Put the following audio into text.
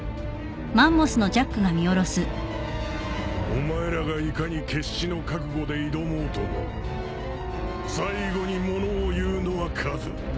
お前らがいかに決死の覚悟で挑もうとも最後にものをいうのは数。